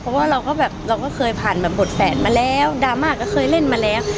เพราะว่าเราก็แบบเราก็เคยผ่านแบบบทแฝดมาแล้วดราม่าก็เคยเล่นมาแล้ว